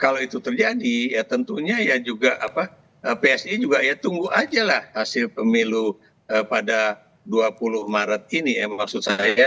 kalau itu terjadi ya tentunya ya juga psi juga ya tunggu aja lah hasil pemilu pada dua puluh maret ini ya maksud saya